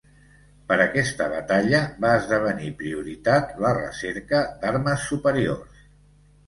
Per aquesta batalla, va esdevenir prioritat la recerca d'armes superiors.